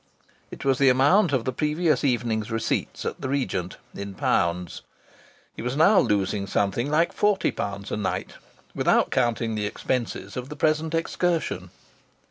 It was the amount of the previous evening's receipts at the Regent, in pounds. He was now losing something like forty pounds a night without counting the expenses of the present excursion.